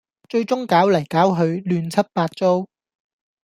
最終搞來搞去亂七八糟